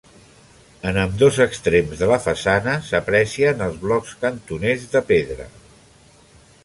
En ambdós extrems de la façana s'aprecien els blocs cantoners de pedra.